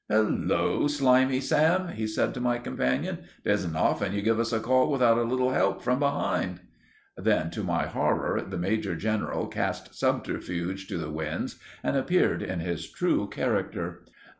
"Hullo, Slimey Sam!" he said to my companion. "'Tisn't often you give us a call without a little help from behind!" Then, to my horror, the major general cast subterfuge to the winds and appeared in his true character.